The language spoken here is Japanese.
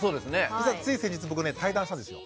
実はつい先日僕ね対談したんですよ。